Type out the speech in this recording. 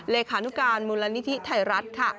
เลขานุการมูลนิธิไทยรัฐค่ะ